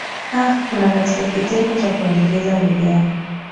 aha kuna katika kitengo cha kuendeleza vijana